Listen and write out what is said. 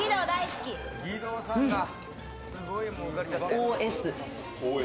ＯＳ。